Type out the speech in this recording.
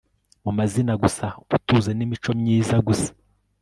Mu mazima gusa umutuzo nimico myiza gusa